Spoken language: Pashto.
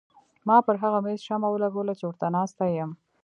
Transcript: ما پر هغه مېز شمه ولګوله چې ورته ناسته یم.